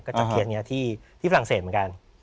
จากเคสนี้ที่ฝรั่งเศสเหมือนกัน